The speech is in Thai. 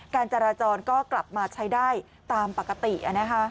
การจราจรก็กลับมาใช้ได้ตามปกติ